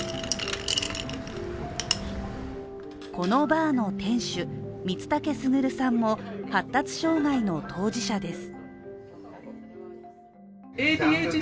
このバーの店主・光武克さんも発達障害の当事者です。